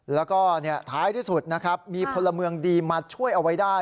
แล้วก็ท้ายที่สุดนะครับมีพลเมืองดีมาช่วยเอาไว้ได้